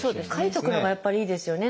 書いておくのがやっぱりいいですよね。